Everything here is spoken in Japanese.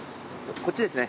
こっちですね。